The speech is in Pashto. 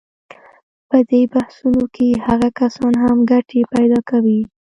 په دې بحثونو کې هغه کسان هم ګټې پیدا کوي.